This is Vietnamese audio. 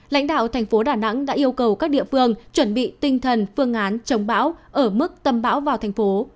lãnh đạo thành phố đà nẵng đã yêu cầu các địa phương chuẩn bị tinh thần phương án chống bão ở mức tâm bão vào thành phố